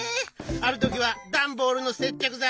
あるときはダンボールのせっちゃくざい。